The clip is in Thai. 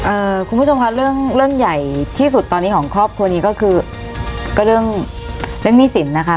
คุณผู้ชมค่ะเรื่องเรื่องใหญ่ที่สุดตอนนี้ของครอบครัวนี้ก็คือก็เรื่องเรื่องหนี้สินนะคะ